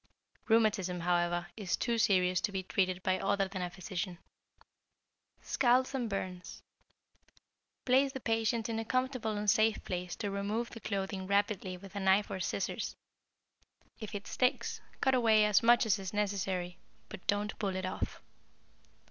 Rheumatism, however, is too serious to be treated by other than a physician. Scalds and Burns Place the patient in a comfortable and safe place and remove the clothing rapidly with a knife or scissors. If it sticks, cut away as much as is necessary, but don't pull it off.